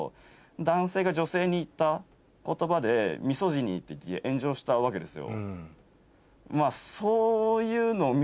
男性が女性に言った言葉でミソジニーって言って炎上したわけですよ。